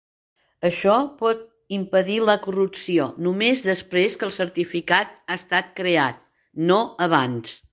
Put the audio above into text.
Això pot impedir la corrupció només després que el certificat ha estat creat, no abans.